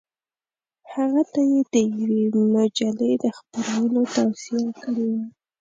هغه ته یې د یوې مجلې د خپرولو توصیه کړې وه.